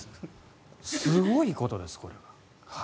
すごいことです、これは。